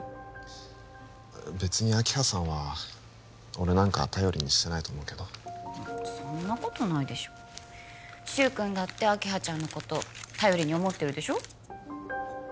別に明葉さんは俺なんか頼りにしてないと思うけどそんなことないでしょ柊くんだって明葉ちゃんのこと頼りに思ってるでしょ？